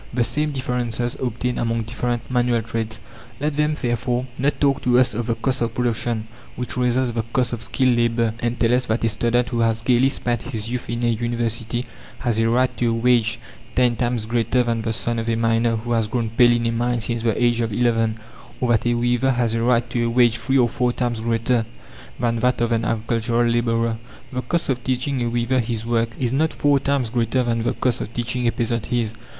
The same differences obtain among different manual trades. Let them, therefore, not talk to us of "the cost of production" which raises the cost of skilled labour, and tell us that a student who has gaily spent his youth in a university has a right to a wage ten times greater than the son of a miner who has grown pale in a mine since the age of eleven; or that a weaver has a right to a wage three or four times greater than that of an agricultural labourer. The cost of teaching a weaver his work is not four times greater than the cost of teaching a peasant his.